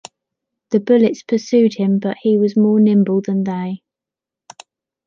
The bullets pursued him but he was more nimble than they.